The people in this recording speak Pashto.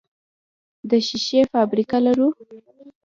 د شیشې فابریکه لرو؟